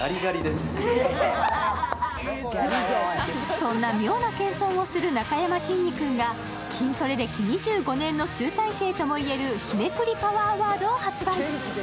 そんな妙な謙遜をするなかやまきんに君が筋トレ歴２５年の集大成とも言える日めくりパワーワードを発売。